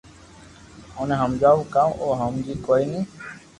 اوني ھمجاوُ ڪاوُ او ھمجي ڪوئي ني